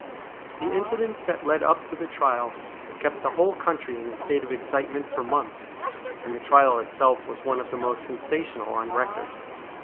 The incidents that led up to the trial had kept the whole country in a state of excitement for months ; and the trial itself was one of the most sensational on record.